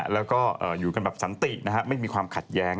แล้วก็อยู่กันแบบสันตินะฮะไม่มีความขัดแย้ง